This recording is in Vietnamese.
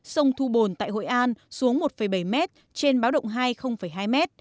sông thu bồn tại hội an xuống một bảy m trên báo động hai hai m